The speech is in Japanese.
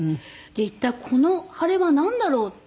一体この腫れはなんだろう？って。